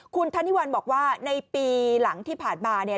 คุณธนิวัลบอกว่าในปีหลังที่ผ่านมาเนี่ย